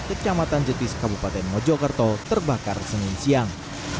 kecamatan jetis kabupaten mojokerto terbakar senin siang